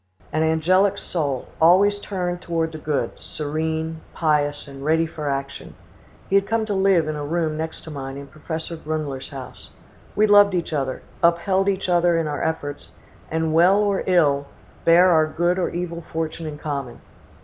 An angelic soul, always turned toward the good, serene, pious, and ready for action; he had come to live in a room next to mine in Professor Grunler's house; we loved each other, upheld each other in our efforts, and, well or ill, bare our good or evil fortune in common.